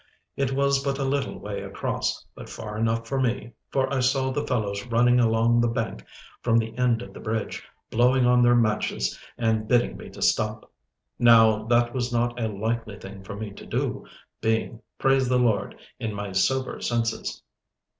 It was but a little way across, but far enough for me, for I saw the fellows running along the bank from the end of the bridge, blowing on their matches and bidding me stop. Now that was not a likely thing for me to do, being, praise the Lord! in my sober senses.